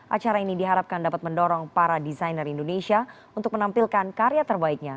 acara ini diharapkan dapat mendorong para desainer indonesia untuk menampilkan karya terbaiknya